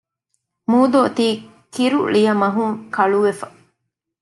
މޫދު އޮތީ ކިރުޅިޔަމަހުން ކަޅުވެފަ